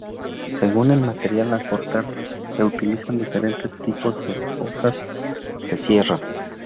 Según el material a cortar se utilizan diferentes tipos de hojas de sierra.